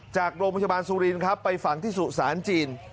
จากโรงพยาบาลสุรินครับไปฝังที่สุสานจีน